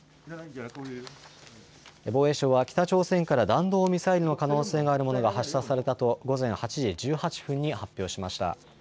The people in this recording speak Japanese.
防衛省は北朝鮮から弾道ミサイルの可能性があるものが発射されたと午前８時１８分に発表しました。